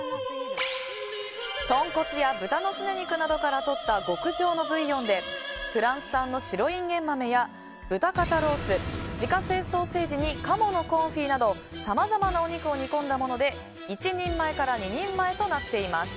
豚骨や豚のすね肉などからとった極上のブイヨンでフランス産の白インゲン豆や豚肩ロース、自家製ソーセージに鴨のコンフィなどさまざまなお肉を煮込んだもので１人前から２人前となっています。